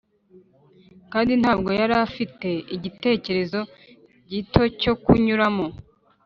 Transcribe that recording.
kandi ntabwo yari afite igitekerezo gito cyo kunyuramo.